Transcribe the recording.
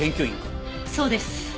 そうです。